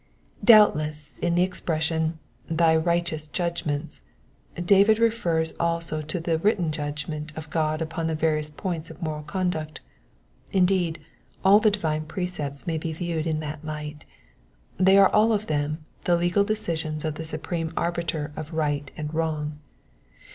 Doubtless in the expression, thy righteous judgments," David refers also to the written judgments of God upon various points of moral conduct ; indeed, all the divine precepts may be viewed in that light ; they are all of them the legal decisions of the Supreme Arbiter of right and wrong.